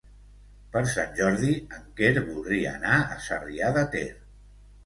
Per Sant Jordi en Quer voldria anar a Sarrià de Ter.